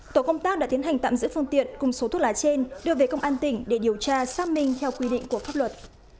tổ công tác đã tiến hành tạm giữ phương tiện cùng số thuốc lá trên đưa về công an tỉnh để điều tra xác minh theo quy định của pháp luật